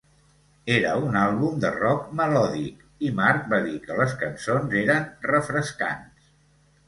Era un àlbum de rock melòdic i Marc va dir que les cançons eren "refrescants".